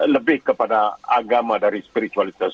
lebih kepada agama dari spiritualitas